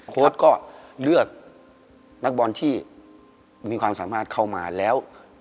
โค้ดก็เลือกนักบอลที่มีความสามารถเข้ามาแล้ว